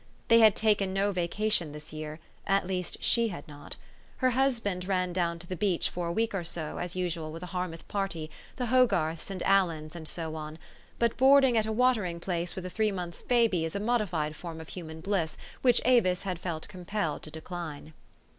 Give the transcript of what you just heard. They had taken no vacation this year : at least she had not. Her hus band ran down to the beach for a week or so, as usual, with a Hirmouth party, the Hogarths and Aliens, and so on ; but boarding at a watering place with a three months' baby is a modified form of THE STOEY OF AVIS. 291 human bliss which Avis had felt compelled to de cline.